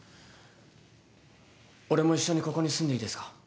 俺も一緒にここに住んでいいですか？